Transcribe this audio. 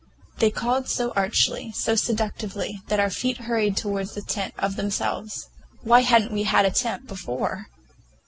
They called so archly, so seductively, that our feet hurried toward the tent of themselves. Why had n't we had a tent before?